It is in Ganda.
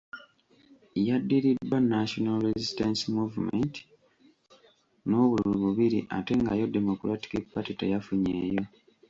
Yaddiridwa National Resistance Movement n’obululu bubiri ate nga yo Democratic Party teyafunyeewo.